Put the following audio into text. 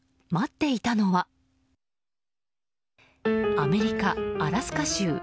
アメリカ・アラスカ州。